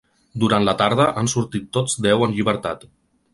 Durant la tarda han sortit tots deu en llibertat.